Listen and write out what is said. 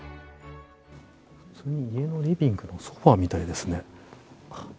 家のリビングのソファみたいですね。